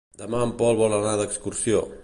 Demà en Pol vol anar d'excursió.